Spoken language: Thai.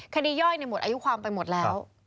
ย่อยหมดอายุความไปหมดแล้ว